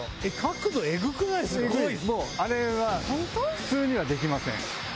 もうあれは普通にはできません。